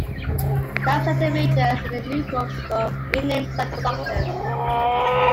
Staff sergeant majors in the new corps were renamed sub-conductors.